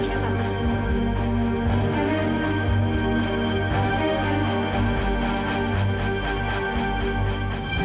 ini kalau siapa ma